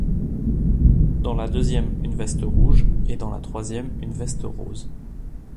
Dans la deuxième, une veste rouge et dans la troisième, une veste rose.